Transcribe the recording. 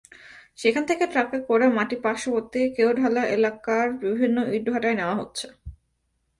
সেখান থেকে ট্রাকে করে মাটি পার্শ্ববর্তী কেওঢালা এলাকার বিভিন্ন ইটভাটায় নেওয়া হচ্ছে।